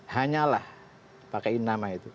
hanyalah pakaiin nama itu